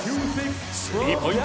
スリーポイント